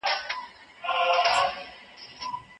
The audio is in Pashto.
ولي د روڼتیا حق شتون لري؟